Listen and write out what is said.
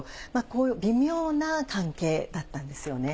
こういう微妙な関係だったんですよね。